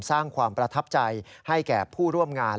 สร้างความประทับใจให้แก่ผู้ร่วมงาน